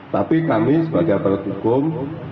tapi kami sebagai pertugum